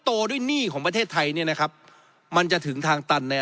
โตด้วยหนี้ของประเทศไทยเนี่ยนะครับมันจะถึงทางตันแนว